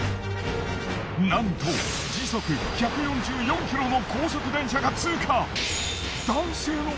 なんと時速１４４ｋｍの高速電車が通過。